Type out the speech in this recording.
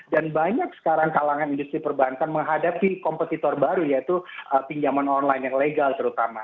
dan banyak sekarang kalangan industri perbankan menghadapi kompetitor baru yaitu pinjaman online yang legal terutama